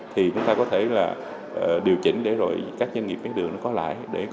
thì chúng ta có thể điều chỉnh để các doanh nghiệp mía đường có lại